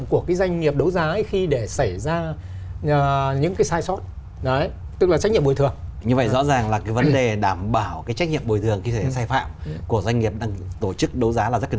của doanh nghiệp tổ chức đấu giá là rất cần thiết đúng không ạ